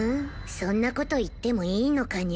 そんな事言ってもいいのかにゃ？